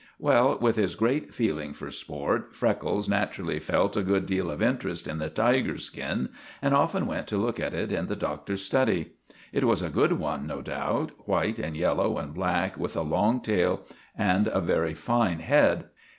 Well, with his great feeling for sport, Freckles naturally felt a good deal of interest in the tiger's skin, and often went to look at it in the Doctor's study. It was a good one, no doubt—white and yellow and black, with a long tail and a very fine head.